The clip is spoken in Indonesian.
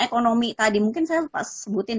ekonomi tadi mungkin saya pas sebutin